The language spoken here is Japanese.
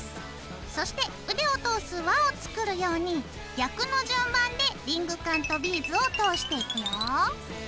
そして腕を通す輪を作るように逆の順番でリングカンとビーズを通していくよ。